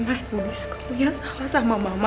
mas budi suka punya kakak sama mama